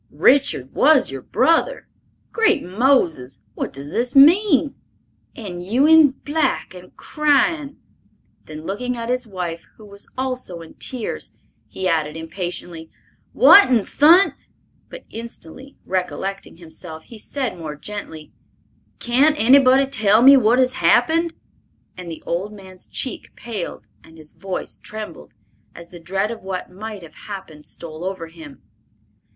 "Richard was your brother! Great Moses! What does this mean? And you in black and crying!" Then looking at his wife, who was also in tears, he added impatiently, "What in thun—" but instantly recollecting himself, he said more gently, "Can't anybody tell me what has happened?" And the old man's cheek paled, and his voice trembled, as the dread of what might have happened stole over him.